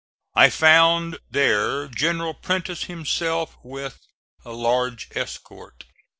I found there General Prentiss himself, with a large escort.